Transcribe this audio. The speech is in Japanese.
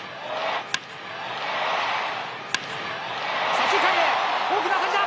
左中間へ大きな当たりだ！